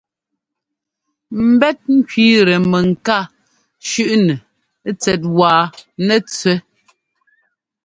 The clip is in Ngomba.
Mbɛ́t ŋ́kẅíitɛ mɛŋká shʉ́ꞌnɛ tsɛt wa nɛtsẅɛ́.